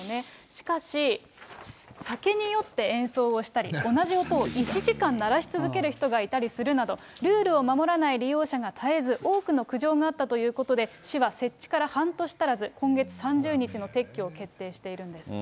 しかし、酒に酔って演奏をしたり、同じ音を１時間鳴らし続ける人がいたりするなど、ルールを守らない利用者が絶えず、多くの苦情があったということで、市は設置から半年足らず、今月３０日の撤去を決定しているんです。